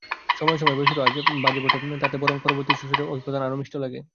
সময়ে সময়ে বেসুরো বাজে বটে, তাতে বরং পরবর্তী সুরের ঐকতান আরও মিষ্ট লাগে।